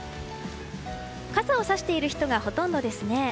傘をさしている人がほとんどですね。